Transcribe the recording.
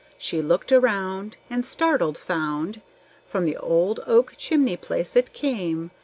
She looked around, And, startled, found From the old oak chimney place it came.